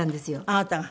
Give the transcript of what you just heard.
あなたが？